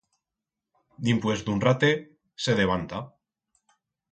Dimpués d'un ratet, se devanta.